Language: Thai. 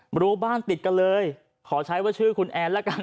หมู่บ้านติดกันเลยขอใช้ว่าชื่อคุณแอนละกัน